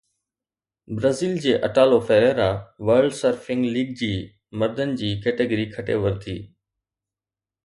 Brazil جي Italo Ferreira World Surfing League جي مردن جي ڪيٽيگري کٽي ورتي